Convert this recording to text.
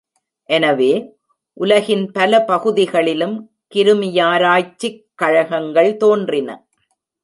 எனவே, உலகின் பல பகுதியிலும் கிருமியாராய்ச்சிக் கழகங்கள் தோன்றின.